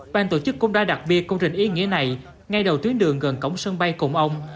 ban tổ chức công đoàn đặc biệt công trình ý nghĩa này ngay đầu tuyến đường gần cổng sân bay cộng ông